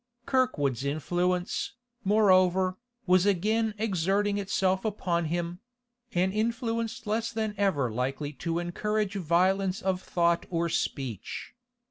Kirkwood's influence, moreover, was again exerting itself upon him—an influence less than ever likely to encourage violence of thought or speech.